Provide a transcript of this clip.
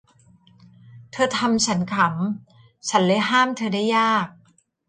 เธอทำฉันขำ ฉันเลยห้ามเธอได้ยาก